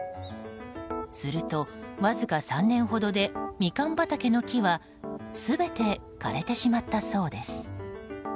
すると、わずか３年ほどでミカン畑の木は全て枯れてしまったそうです。